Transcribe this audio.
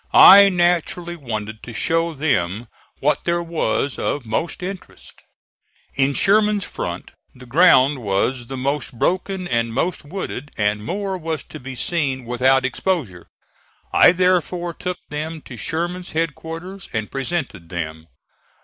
I naturally wanted to show them what there was of most interest. In Sherman's front the ground was the most broken and most wooded, and more was to be seen without exposure. I therefore took them to Sherman's headquarters and presented them.